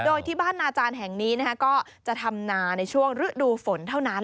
โดยที่บ้านนาจารย์แห่งนี้ก็จะทำนาในช่วงฤดูฝนเท่านั้น